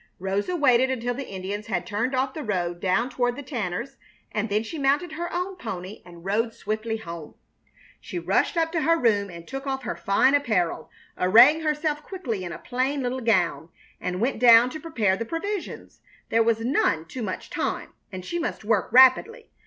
Rosa waited until the Indians had turned off the road down toward the Tanners', and then she mounted her own pony and rode swiftly home. She rushed up to her room and took off her fine apparel, arraying herself quickly in a plain little gown, and went down to prepare the provisions. There was none too much time, and she must work rapidly.